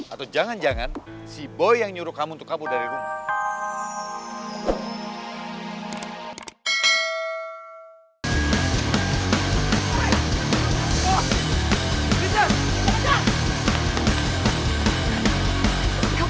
atau jangan jangan si boy yang nyuruh kamu untuk kamu dari rumah